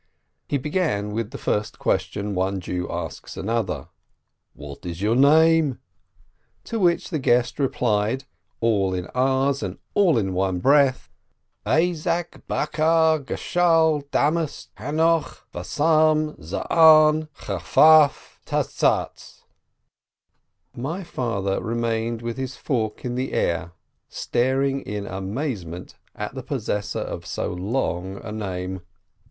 He began with the first question one Jew asks another: "What is your name?" To which the guest replied all in a's and all in one breath : "Ayak Bakar Gashal Damas Hanoch Vassam Za'an Chafaf Tatzatz." My father remained with his fork in the air, staring in •amazement at the possessor of so long a name.